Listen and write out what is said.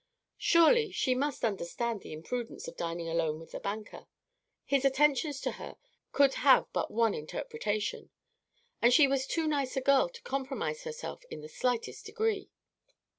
Surely, she must understand the imprudence of dining alone with the banker. His attentions to her could have but one interpretation. And she was too nice a girl to compromise herself in the slightest degree.